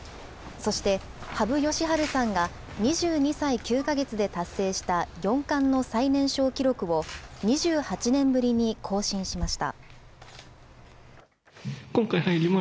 そして、羽生善治さんが２２歳９か月で達成した四冠の最年少記録を２８年ぶりに更新しました。